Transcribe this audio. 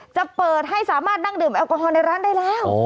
จะเปิดให้สามารถนั่งดื่มแอลกอฮอลในร้านได้แล้ว